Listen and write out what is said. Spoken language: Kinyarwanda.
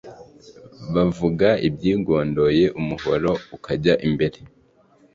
Bavuga ibyigondoye umuhoro ukajya imbere.